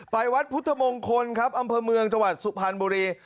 วัดพุทธมงคลครับอำเภอเมืองจังหวัดสุพรรณบุรี